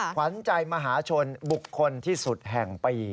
ขวัญใจมหาชนบุคคลที่สุดแห่งปี